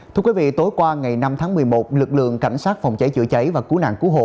thưa quý vị tối qua ngày năm tháng một mươi một lực lượng cảnh sát phòng cháy chữa cháy và cứu nạn cứu hộ